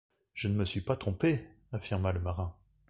Je ne me suis pas trompé! affirma le marin.